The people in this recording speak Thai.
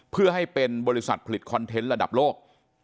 เพื่อให้เป็นบริษัทผลิตคอนเทนต์ระดับโลก